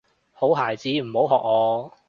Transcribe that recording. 好孩子唔好學我